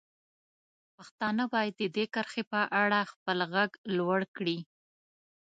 پښتانه باید د دې کرښې په اړه خپل غږ لوړ کړي.